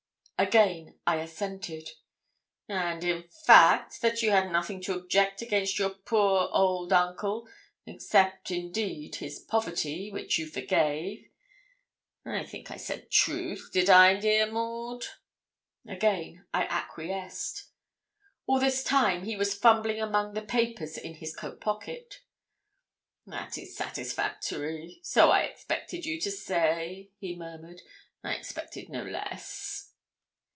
Again I assented. 'And, in fact, that you had nothing to object against your poor old uncle, except indeed his poverty, which you forgave. I think I said truth. Did I, dear Maud?' Again I acquiesced. All this time he was fumbling among the papers in his coatpocket. 'That is satisfactory. So I expected you to say,' he murmured. 'I expected no less.'